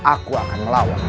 aku akan melawan